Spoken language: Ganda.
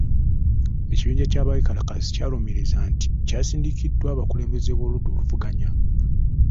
Ekibinja ky'abeekalakaasi kyalumirizza nti kyasindikiddwa abakulembeze b'oludda oluvuganya.